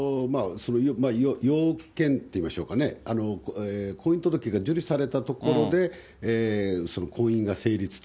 要件といいましょうかね、婚姻届が受理されたところで、婚姻が成立と。